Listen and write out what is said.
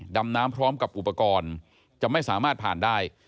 ดำน้ำพร้อมกับอุปกรณ์จะไม่สามารถผ่านได้